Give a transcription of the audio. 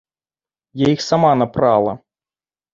Я іх сама напрала.